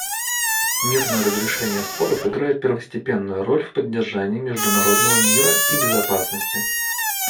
Мирное разрешение споров играет первостепенную роль в поддержании международного мира и безопасности.